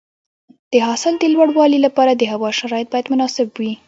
د حاصل د لوړوالي لپاره د هوا شرایط باید مناسب وي.